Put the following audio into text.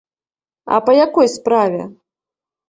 А па якой справе?